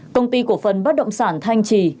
công ty cổ phần bất động sản thanh trì